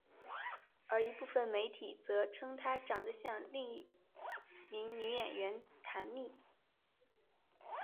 而一部分媒体则称她长得像另一名女演员坛蜜。